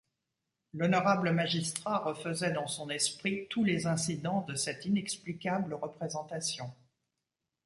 L’honorable magistrat refaisait dans son esprit tous les incidents de cette inexplicable représentation.